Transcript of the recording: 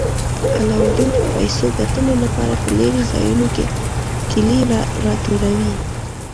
علاوالدین به د پیسو ګټلو لپاره په لیرې ځایونو کې کیلې راټولولې.